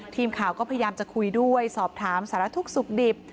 ทีมข่าวก็พยายามจะคุยด้วยสอบถามสารทุกข์สุขดิบ